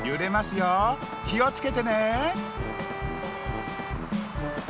よきをつけてね！